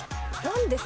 何で？